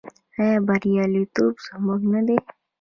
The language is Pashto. آیا بریالیتوب زموږ نه دی؟